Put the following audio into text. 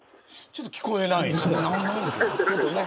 ちょっと聞こえないですね。